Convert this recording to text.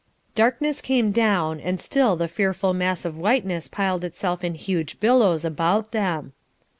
Darkness came down and still the fearful mass of whiteness piled itself in huge billows about them.